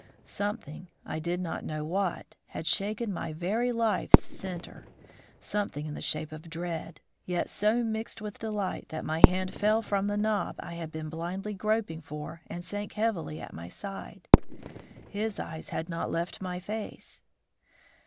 Something, I did not know what, had shaken my very life's center something in the shape of dread, yet so mixed with delight that my hand fell from the knob I had been blindly groping for and sank heavily at my side. His eyes had not left my face.